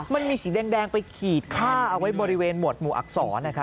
มันมีสีแดงไปขีดคันเอาไว้บริเวณหมวดหมู่อักษร